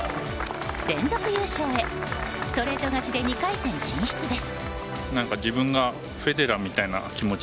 連続優勝へストレート勝ちで２回戦進出です。